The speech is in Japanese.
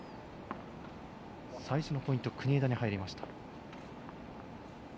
最初のポイント国枝に入りました。